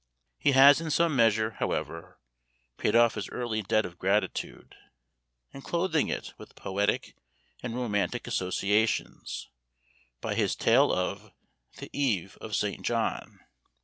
He has in some measure, however, paid off his early debt of gratitude, in clothing it with poetic and romantic associations, by his tale of "The Eve of St. John."